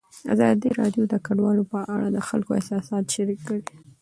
ازادي راډیو د کډوال په اړه د خلکو احساسات شریک کړي.